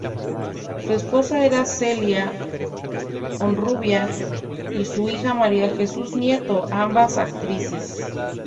Su esposa era Celia Honrubia, y su hija María Jesús Nieto, ambas actrices.